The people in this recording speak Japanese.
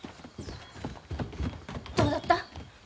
どうだった？